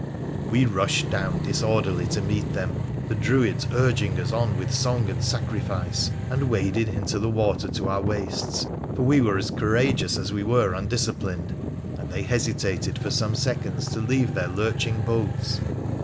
We rushed down, disorderly, to meet them, the Druida urging us on with song and sacrifice, and waded into the water to our waists, for we were as courageous as we were undisciplined, and they hesitated for some seconds to leave their lurching boats.